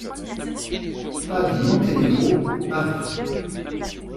PAS DU MONTENEGRO, Paris